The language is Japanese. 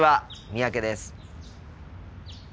三宅です。